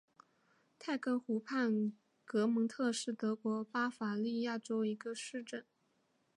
泰根湖畔格蒙特是德国巴伐利亚州的一个市镇。